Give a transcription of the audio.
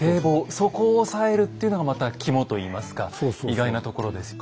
そこを押さえるっていうのがまた肝といいますか意外なところですよね。